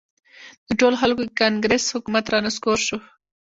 د ټولو خلکو کانګرس حکومت را نسکور شو.